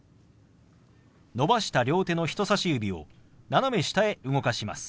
伸ばした両手の人さし指を斜め下へ動かします。